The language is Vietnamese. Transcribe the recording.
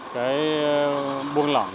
cái buông lỏng